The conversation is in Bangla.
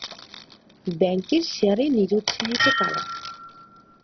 ব্যাংকের শেয়ারে নিরুৎসাহিত কারা?